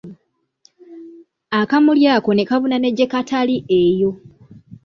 Akamuli ako ne kabuna ne gye katali eyo.